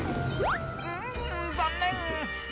うーん残念！